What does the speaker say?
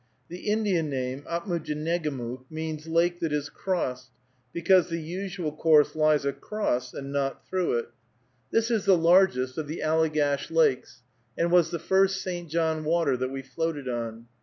The Indian name, Apmoojenegamook, means lake that is crossed, because the usual course lies across, and not along it. This is the largest of the Allegash lakes, and was the first St. John water that we floated on.